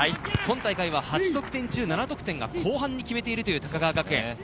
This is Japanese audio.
本大会は８得点中７得点が後半に決めているという高川学園。